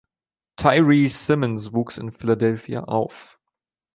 Tyree Simmons wuchs in Philadelphia auf.